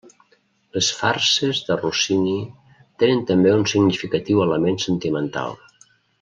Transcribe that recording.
Les farses de Rossini tenen també un significatiu element sentimental.